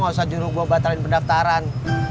gak usah juru gue batalin pendaftaran